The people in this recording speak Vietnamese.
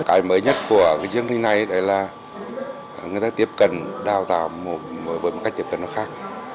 cái mới nhất của chương trình này là người ta tiếp cận đào tạo với một cách tiếp cận khác